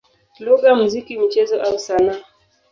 lugha, muziki, michezo au sanaa.